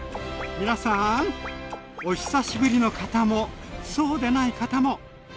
皆さん！お久しぶりの方もそうでない方も。